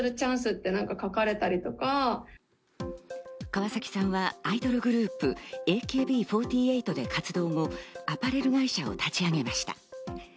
川崎さんはアイドルグループ・ＡＫＢ４８で活動後、アパレル会社を立ち上げました。